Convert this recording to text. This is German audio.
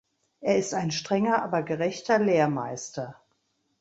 Er ist ein strenger, aber gerechter Lehrmeister.